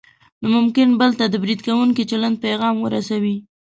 نو ممکن بل ته د برید کوونکي چلند پیغام ورسوي.